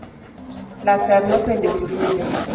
Laktar nopenjo Kifuja.